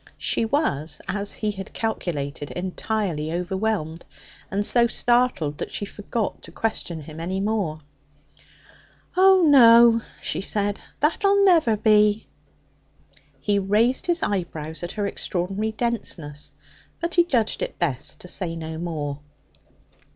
She was, as he had calculated, entirely overwhelmed, and so startled that she forgot to question him any more. 'Oh, no,' she said; 'that'll never be.' He raised his eyebrows at her extraordinary denseness, but he judged it best to say no more.